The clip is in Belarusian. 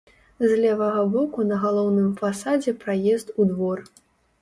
З левага боку на галоўным фасадзе праезд у двор.